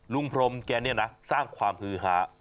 ลุงพรมแกนี่นะสร้างความฮือหา